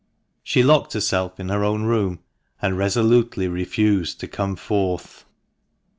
She locked herself in her own room, and resolutely refused to come forth.